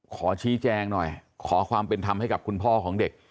ขอชี้แจงหน่อยขอความเป็นธรรมให้กับคุณพ่อของเด็ก